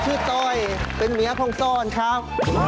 ผมชื่อต้อยเป็นเมียของส้อนครับ